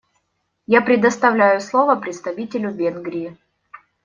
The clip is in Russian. Я предоставляю слово представителю Венгрии.